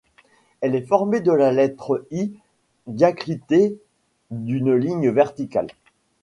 Elle est formée de la lettre I diacritée d’une ligne verticale.